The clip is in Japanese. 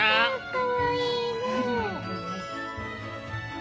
かわいいね。